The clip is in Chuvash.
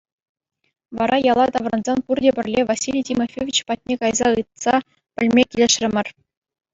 Вара яла таврӑнсан пурте пӗрле Василий Тимофеевич патне кайса ыйтса пӗлме килӗшрӗмӗр.